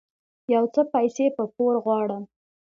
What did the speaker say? يو څه پيسې په پور غواړم